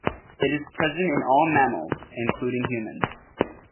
It is present in all mammals, including humans.